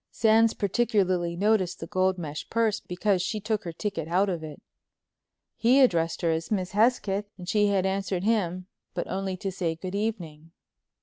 Sands particularly noticed the gold mesh purse because she took her ticket out of it. He addressed her as Miss Hesketh and she had answered him, but only to say "Good evening."